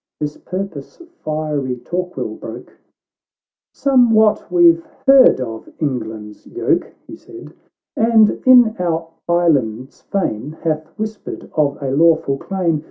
This purpose fiery Torquil broke ;—" Somewhat we've heard of England's yoke," He said, " and, in our islands, Fame Hath whispered of a lawful claim.